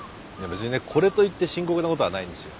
別にねこれといって深刻なことはないんですよ。